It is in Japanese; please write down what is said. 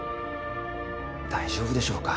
大丈夫でしょうか？